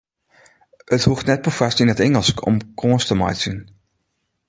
It hoecht net perfoarst yn it Ingelsk om kâns te meitsjen.